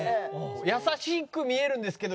優しく見えるんですけど。